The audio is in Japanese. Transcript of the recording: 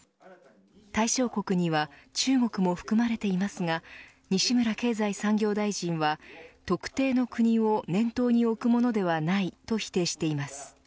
対象国には中国も含まれていますが西村経済産業大臣は特定の国を念頭に置くものではない、と否定しています。